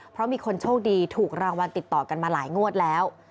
เพราะมีคนโชคดีถูกรางวัลติดต่อกันมาหลายงวดแล้ว